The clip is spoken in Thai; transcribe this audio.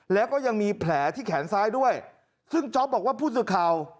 แล้วก็ยังมีแผลที่แขนซ้ายด้วยซึ่งจ๊อปบอกว่าผู้สื่อข่าว